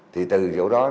thì từ chỗ đó